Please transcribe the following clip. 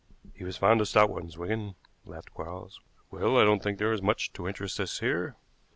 "He was fond of stout ones, Wigan," laughed Quarles. "Well, I don't think there is much to interest us here."